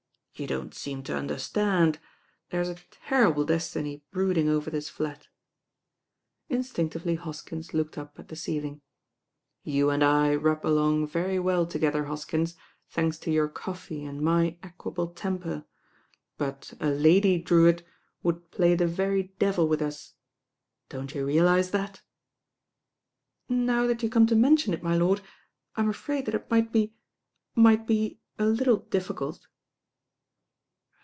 You don't seem to understand. There's a terrible destiny brooding over this flat.'* Instinctively Hoskins looked up at the ceiling. "You and I rub along very well together, Hos kins, thanks to your coffee and my equable temper; but a Lady Drewitt would play the very devil with us. Don't you realise that?" "Now that you come to mention it, my lord, I'm afraid that it might be— might be a little difficult."